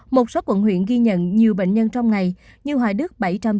một số quận huyện ghi nhận nhiều bệnh nhân trong ngày như hòa đức bảy trăm chín mươi tám